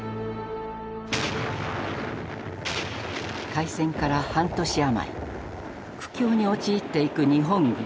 開戦から半年余り苦境に陥っていく日本軍。